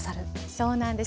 そうなんですよ。